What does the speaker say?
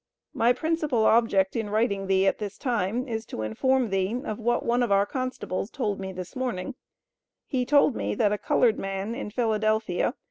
My principal object in writing thee at this time is to inform thee of what one of our constables told me this morning; he told me that a colored man in Phila.